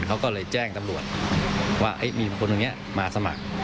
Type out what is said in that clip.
เขาก็เลยแจ้งตำรวจว่ามีคนตรงนี้มาสมัคร